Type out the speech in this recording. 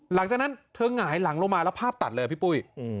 หลังจากนั้นเธอหงายหลังลงมาแล้วภาพตัดเลยพี่ปุ้ย